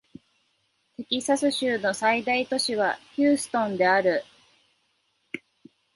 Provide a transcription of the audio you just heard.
テキサス州の最大都市はヒューストンである